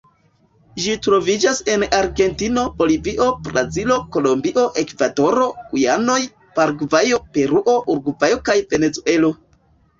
Ĝi troviĝas en Argentino, Bolivio, Brazilo, Kolombio, Ekvadoro, Gujanoj, Paragvajo, Peruo, Urugvajo kaj Venezuelo.